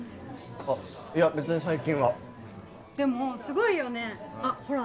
あっいや別に最近はでもすごいよねあっほら